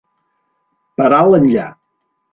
Per alt enllà.